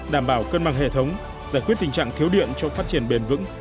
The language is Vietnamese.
đảm bảo cân bằng hệ thống giải quyết tình trạng thiếu điện cho phát triển bền vững